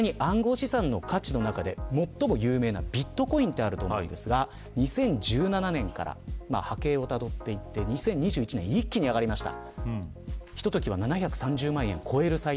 実際に暗号資産の価値の中で最も有名なビットコインがあると思いますが２０１７年から波形をたどっていって２０２１年一気に上がりました。